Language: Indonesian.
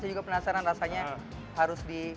saya juga penasaran rasanya harus di